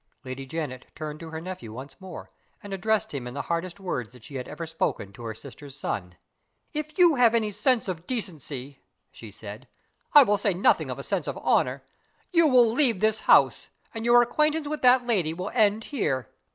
Lady Janet turned to her nephew once more, and addressed him in the hardest words that she had ever spoken to her sister's son. "If you have any sense of decency," she said "I say nothing of a sense of honor you will leave this house, and your acquaintance with that lady will end here.